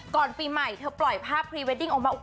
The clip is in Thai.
ก่อนปีใหม่เธอปล่อยภาพพรีเวดดิ้งออกมา